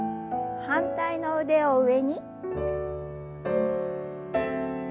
反対の腕を上に。